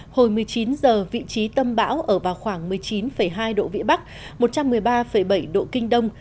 hồi một mươi chín h vị trí tâm bão ở vào khoảng một mươi chín hai độ vĩ bắc một trăm một mươi ba bảy độ kinh đông